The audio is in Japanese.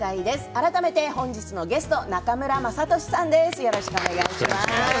改めて、本日のゲストは中村雅俊さんです。